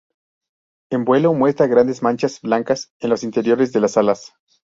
En vuelo, muestra grandes manchas blancas en los interiores de las alas.